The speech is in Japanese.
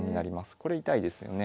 これ痛いですよね。